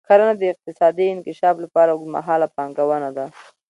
کرنه د اقتصادي انکشاف لپاره اوږدمهاله پانګونه ده.